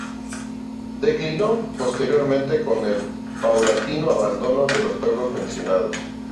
Declinó posteriormente con el paulatino abandono de los juegos mencionados.